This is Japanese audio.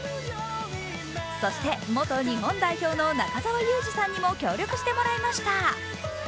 そして元日本代表の中澤佑二さんにも協力してもらいました。